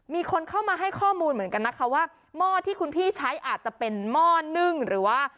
มีคนเข้ามาให้ข้อมูลเหมือนกันนะคะว่าหม้อที่คุณพี่ใช้อาจจะเป็นหม้อนึ่งหรือว่า